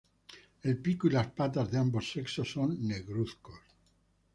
El pico y las patas de ambos sexos son negruzcos.